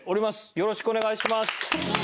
よろしくお願いします。